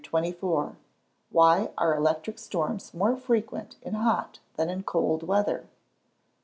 _Why are electric storms more frequent in hot than in cold weather?